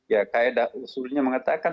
ya kayak usulnya mengatakan